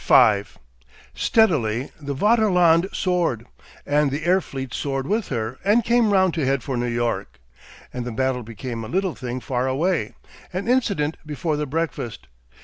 5 Steadily the Vaterland soared, and the air fleet soared with her and came round to head for New York, and the battle became a little thing far away, an incident before the breakfast.